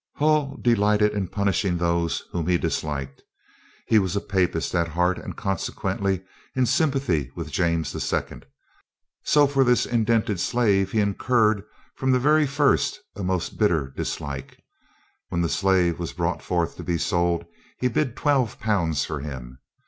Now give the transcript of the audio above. Hull delighted in punishing those whom he disliked. He was a papist at heart and consequently in sympathy with James II., so for this indented slave he incurred from the very first a most bitter dislike. When the slave was brought forth to be sold, he bid twelve pounds for him.